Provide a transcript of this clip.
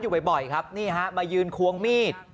อยู่บ่อยครับนี่ฮะมายืนควงมีด